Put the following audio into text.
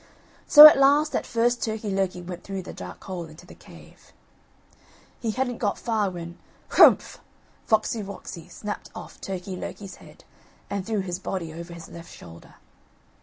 So at last at first Turkey lurkey went through the dark hole into the cave. He hadn't got far when "Hrumph," Foxy woxy snapped off Turkey lurkey's head and threw his body over his left shoulder.